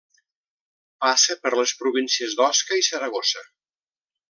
Passa per les províncies d'Osca i Saragossa.